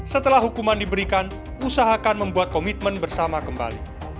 setelah hukuman diberikan usahakan membuat komitmen bersama kembali